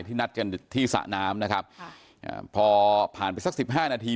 ที่นัดกันที่สะน้ำนะครับพอผ่านไปสักสิบห้านัที